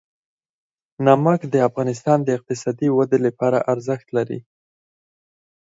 نمک د افغانستان د اقتصادي ودې لپاره ارزښت لري.